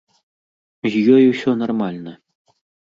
З ёй усё нармальна.